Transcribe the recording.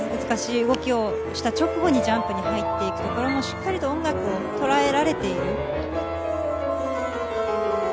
難しい動きをした直後にジャンプに入っていくところもしっかりと音楽をとらえられている。